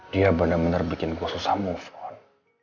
dia bener bener bikin gue susah move on